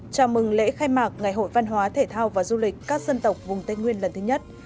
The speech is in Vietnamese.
chào mừng lễ khai mạc ngày hội văn hóa thể thao và du lịch các dân tộc vùng tây nguyên lần thứ nhất